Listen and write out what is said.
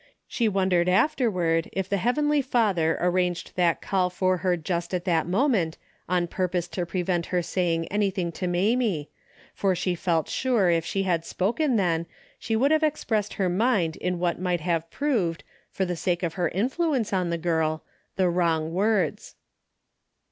She wondered afterward if the heavenly Father arranged that call to her for just that moment on purpose to prevent her saying anything to Mamie, for she felt sure if she had spoken then she would have expressed her mind in what might have proved, for the sake of her influence on the girl, the wrong words.